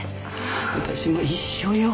私も一緒よ。